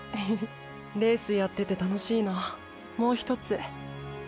レースやってて楽しいのもうひとつ。？